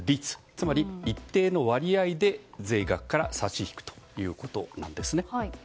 つまり、一定の割合で税額から差し引くということなんですね。